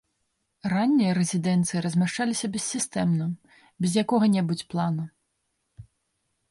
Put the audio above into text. Раннія рэзідэнцыі размяшчаліся бессістэмна, без якога-небудзь плана.